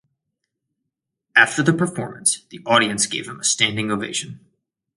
After the performance, the audience gave him a standing ovation.